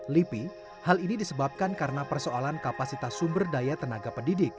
lipi hal ini disebabkan karena persoalan kapasitas sumber daya tenaga pendidik